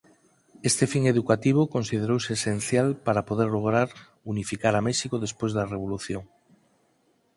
Este fin educativo considerouse esencial para poder lograr unificar a México despois da revolución.